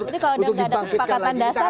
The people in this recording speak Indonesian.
jadi kalau udah nggak ada kesepakatan dasar